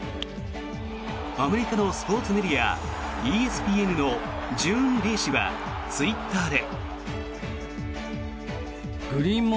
アメリカのスポーツメディアＥＳＰＮのジューン・リー氏はツイッターで。